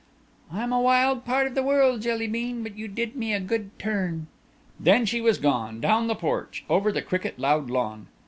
"I'm a wild part of the world, Jelly bean, but you did me a good turn." Then she was gone, down the porch, over the cricket loud lawn.